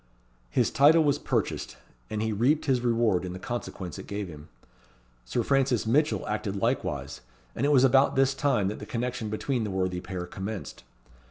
His title was purchased, and he reaped his reward in the consequence it gave him. Sir Francis Mitchell acted likewise; and it was about this time that the connection between the worthy pair commenced.